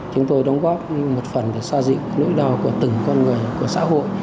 chúng tôi đóng góp một phần để xoa dịu nỗi đau của từng con người của xã hội